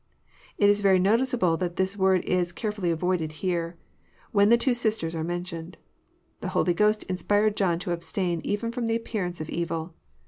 It is very noticeable that this word is carefUUy avoided here, when the two sisters are mentioned. The Holy Ghost inspired John to abstain even ftom the appearance of evil.